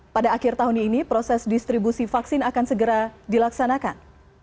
pada akhir tahun ini proses distribusi vaksin akan segera dilaksanakan